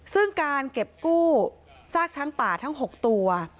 ซึ่งการเก็บกู้ซากช้างป่าทั้ง๖ตัว